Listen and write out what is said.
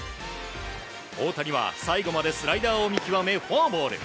大谷は最後までスライダーを見極めフォアボール。